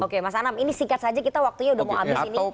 oke mas anam ini singkat saja kita waktunya udah mau habis ini